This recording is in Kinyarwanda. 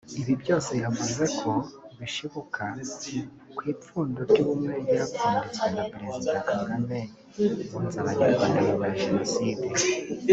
Ibi byose yavuze ko bishibuka ku ipfundo ry’Ubumwe ryapfunditswe na Perezida Kagame wunze Abanyarwanda nyuma ya Jenoside